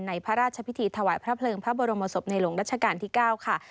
พระราชพิธีถวายพระเพลิงพระบรมศพในหลวงรัชกาลที่๙ค่ะ